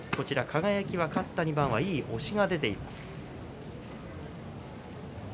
輝は勝った２番はいい押しが出ています。